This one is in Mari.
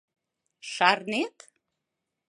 Шарнет?